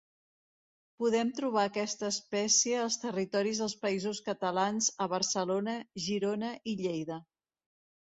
Podem trobar aquesta espècie als territoris dels Països Catalans a Barcelona, Girona i Lleida.